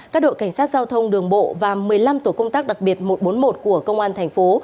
các đội cảnh sát giao thông đường bộ và một mươi năm tổ công tác đặc biệt một trăm bốn mươi một của công an thành phố